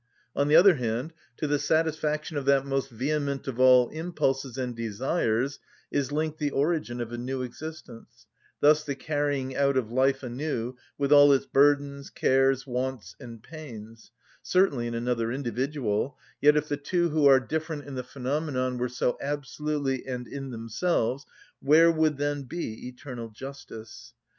On the other hand, to the satisfaction of that most vehement of all impulses and desires is linked the origin of a new existence, thus the carrying out of life anew, with all its burdens, cares, wants, and pains; certainly in another individual; yet if the two who are different in the phenomenon were so absolutely and in themselves, where would then be eternal justice?